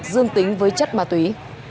dương tính với chất ma túy